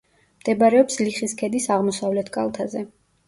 მდებარეობს ლიხის ქედის აღმოსავლეთ კალთაზე.